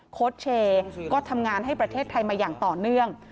โค้ชเชย์ก็ทำงานให้ประเทศไทยมาอย่างต่อเนื่อง